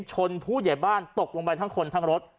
ชนผู้ใหญ่บ้านตกลงไปทั้งคนทั้งรถ